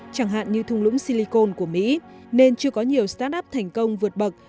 chẳng hạn như thung lũng silicon của mỹ nên chưa có nhiều start up thành công vượt bậc